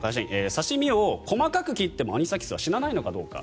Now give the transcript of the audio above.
刺し身を細かく切ってもアニサキスは死なないのかどうか。